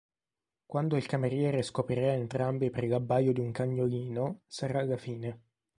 Quando il cameriere scoprirà entrambi per l'abbaio di un cagnolino sarà la fine.